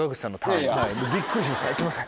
すいません。